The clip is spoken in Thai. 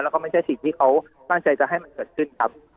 แล้วก็ไม่ใช่สิ่งที่เขาตั้งใจจะให้มันเกิดขึ้นครับ